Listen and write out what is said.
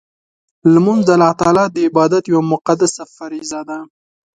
لمونځ د الله تعالی د عبادت یوه مقدسه فریضه ده.